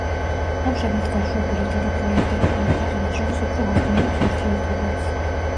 ამჟამად გაშვებული დიდი პროექტები, ორ ქვეყანას შორის უფრო აღრმავებს ურთიერთობებს.